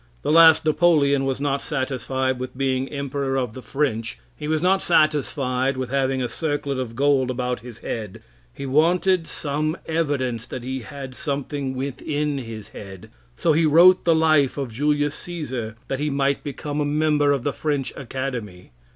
The last Napoleon was not satisfied with being Emperor of the French; he was not satisfied with having a circlet of gold about his head; he wanted some evidence that he had something within his head, so he wrote the life of Julius Caesar, that he might become a member of the French Academy.